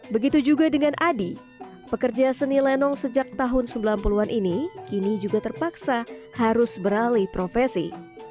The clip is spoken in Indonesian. begitu juga dengan adi pekerja seni lenong sejak tahun sembilan puluh an ini kini juga terpaksa harus beralih profesi